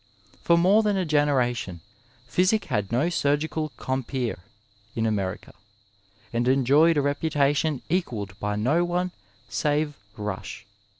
For more than a generation Physick had no surgical compeer in America, and enjoyed a reputa* tion equalled by no one save Rush.